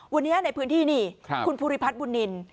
วันนี้ในพื้นที่นี่คุณภูริพัฒน์บุญนิน